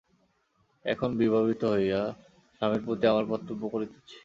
এখন বিবাহিত হইয়া স্বামীর প্রতি আমার কর্তব্য করিতেছি।